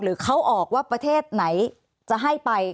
หรือเขาออกว่าประเทศไหนจะให้ไป